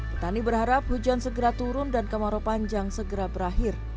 petani berharap hujan segera turun dan kemarau panjang segera berakhir